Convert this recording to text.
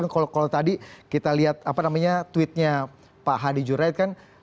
kalau tadi kita lihat tweet nya pak hadi jureid kan